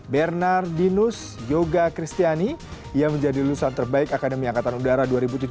bernar dinus yoga kristiani yang menjadi lulusan terbaik akademi angkatan udara dua ribu tujuh belas